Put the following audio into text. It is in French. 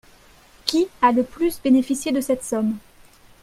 Qui a le plus bénéficié de cette somme?